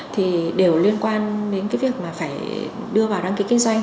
thì đều liên quan đến cái việc mà phải đưa vào đăng ký kinh doanh